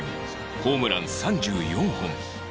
ホームラン３４本